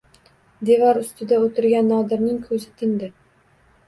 Devor ustida o‘tirgan Nodirning ko‘zi tindi.